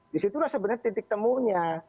di situlah sebenarnya titik temunya